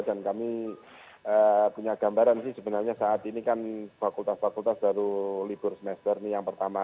kami punya gambaran sih sebenarnya saat ini kan fakultas fakultas baru libur semester nih yang pertama